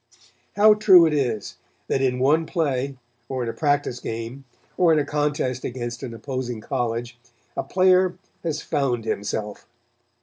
How true it is that in one play, or in a practice game, or in a contest against an opposing college, a player has found himself.